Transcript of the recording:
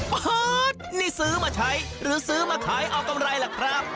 เปิดนี่ซื้อมาใช้หรือซื้อมาขายเอากำไรล่ะครับ